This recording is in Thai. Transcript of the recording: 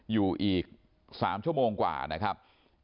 อยู่อีก๓ชั่วโมงกว่านะครับ